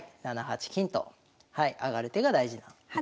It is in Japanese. ７八金と上がる手が大事なんです。